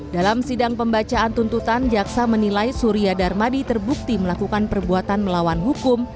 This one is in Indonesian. dalam sidang pembacaan tuntutan jaksa menilai surya darmadi terbukti melakukan perbuatan melawan hukum